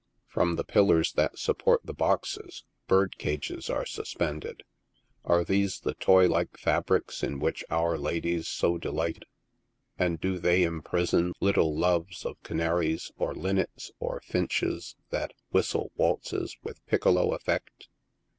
From the pillars that support the boxes bird cages are sus pended. Are these the toy like fabrics in which our ladies so de light, and do they imprison little loves of canaries, or linnets, or finches that whistle waltzes with piccolo effect